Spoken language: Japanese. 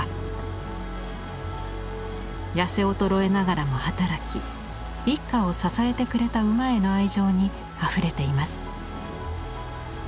痩せ衰えながらも働き一家を支えてくれた馬への愛情にあふれています。